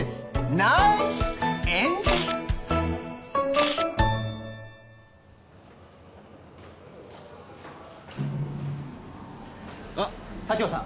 ナイスエンジェルあっ佐京さん